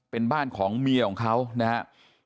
เป็นบ้านของเมียของเขานะครับ